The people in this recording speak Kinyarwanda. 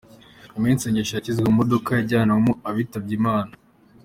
Nyuma y’isengesho yashyizwe mu modoka ijyanwamo abitabye Imana